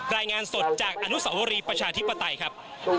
รายงานสดจากอนุสาวรีประชาธิปไตยครับ